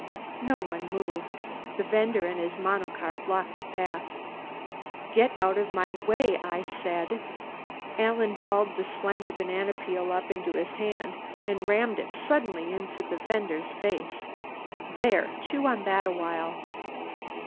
No one moved. The vender and his monocar blocked the path. "Get out of my way, I said." Alan balled the slimy banana peel up in his hand and rammed it suddenly into the vender's face. "There. Chew on that a while."